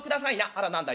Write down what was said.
あら何だ